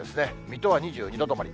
水戸は２２度止まり。